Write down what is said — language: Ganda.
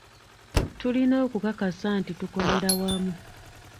Tulina okukakasa nti tukolera wamu.